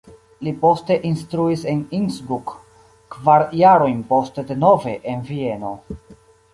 Li poste instruis en Innsbruck, kvar jarojn poste denove en Vieno.